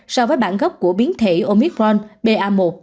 so với bản gốc của biến thể omicron ba một